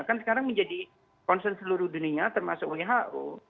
kan sekarang menjadi concern seluruh dunia termasuk who